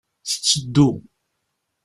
Tetteddu.